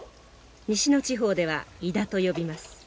西の地方ではイダと呼びます。